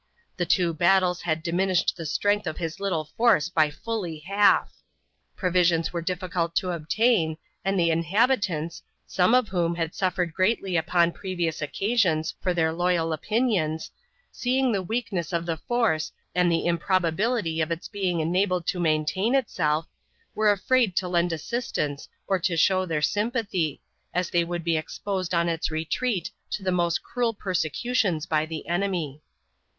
The two battles had diminished the strength of his little force by fully half. Provisions were difficult to obtain, and the inhabitants, some of whom had suffered greatly upon previous occasions for their loyal opinions, seeing the weakness of the force and the improbability of its being enabled to maintain itself, were afraid to lend assistance or to show their sympathy, as they would be exposed on its retreat to the most cruel persecutions by the enemy.